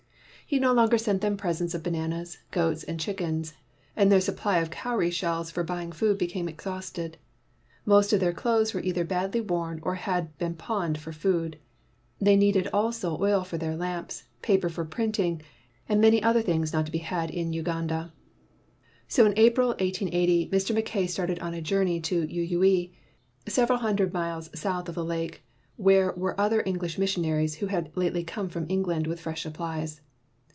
He no longer sent them presents of bananas, goats, and chickens, and their supply of cowry shells for buying food became exhausted. Most of their clothes were either badly worn or had been pawned for food. They needed also oil for their lamps, paper for printing, and many other things not to be had in Uganda. So in April, 1880, Mr. Mackay started on a journey to Uyui, several hundred miles south of the lake where were other English missionaries who had lately come from Eng land with fresh supplies.